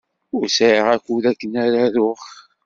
Ur sɛiɣ akud akken ad aruɣ.